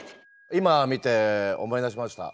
今見て思い出しました。